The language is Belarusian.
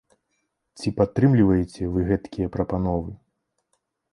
Ці падтрымліваеце вы гэткія прапановы?